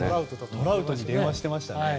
トラウトに電話してましたね。